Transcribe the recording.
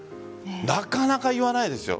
なかなか言わないですよ。